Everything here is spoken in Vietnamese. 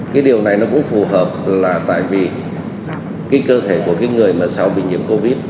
cái điều này nó cũng phù hợp là tại vì cái cơ thể của cái người mà sau bị nhiễm covid